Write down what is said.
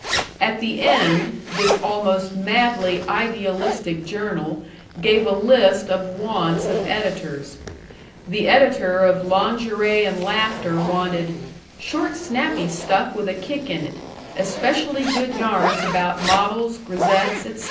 At the end, this almost madly idealistic journal gave a list of wants of editors; the editor of Lingerie and Laughter wanted "short, snappy stuff with a kick in it; especially good yarns about models, grisettes, etc."